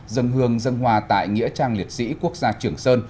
dân hương dân hòa tại nghĩa trang liệt sĩ quốc gia trường sơn